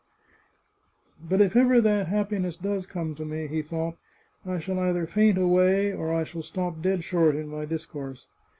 But if ever that happiness does come to me," he thought, " I shall either faint away, or I shall stop dead short in my discourse."